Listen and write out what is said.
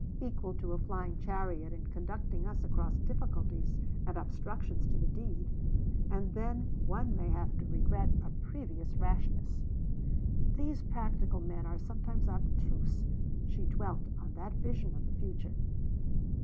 equal to a flying chariot in conducting us across difficulties and obstructions to the deed. And then one may have to regret a previous rashness.' These practical men are sometimes obtuse: she dwelt on that vision of the future.